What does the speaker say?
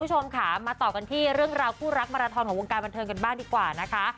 คุณผู้ชมค่ะมาต่อกันที่เรื่องราวคู่รักมาราทอนของวงการบันเทิงกันบ้างดีกว่านะคะ